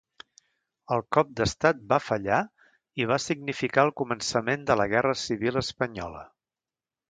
El cop d’estat va fallar i va significar el començament de la Guerra Civil espanyola.